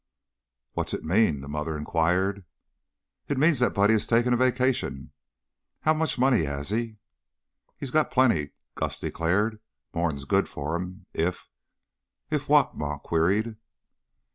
"What's it mean?" the mother inquired. "It means that Buddy has taken a vacation. How much money has he?" "He's got plenty," Gus declared. "More 'n is good for him if " "If what?" Ma queried.